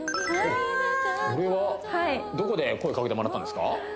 それはどこで声かけてもらったんですか？